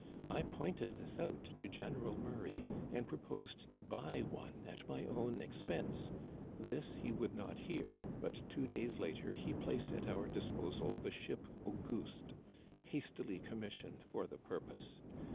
I pointed this out to General Murray, and proposed to buy one at my own expense. This he would not hear, but two days later he placed at our dis posal the ship Auguste, hastily commissioned for the purpose.